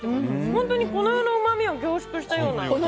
本当にこの世のうまみを凝縮したような。